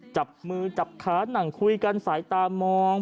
จับมือจับขานั่งคุยกันสายตามอง